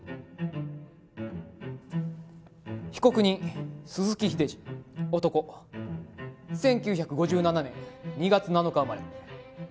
被告人、鈴木英司、男、１９５７年２月７日生まれ。